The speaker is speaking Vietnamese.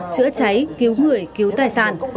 chữa cháy cứu người cứu tài sản